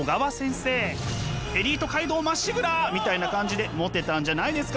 エリート街道まっしぐらみたいな感じでモテたんじゃないですか？